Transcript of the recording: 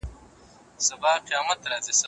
هغه پرون په کوڅې کي تېر سو.